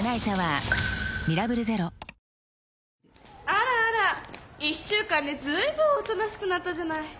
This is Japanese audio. あらあら１週間でずいぶんおとなしくなったじゃない。